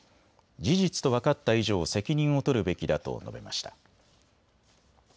事実と分かった以上責任を取るべきだと述べました。